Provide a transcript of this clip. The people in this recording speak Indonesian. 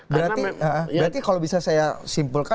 berarti kalau bisa saya simpulkan